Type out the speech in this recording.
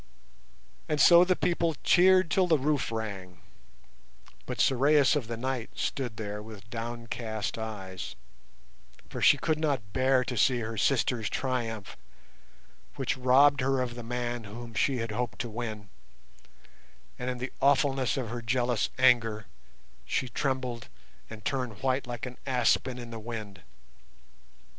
And so the people cheered till the roof rang; but Sorais of the Night stood there with downcast eyes, for she could not bear to see her sister's triumph, which robbed her of the man whom she had hoped to win, and in the awfulness of her jealous anger she trembled and turned white like an aspen in the wind.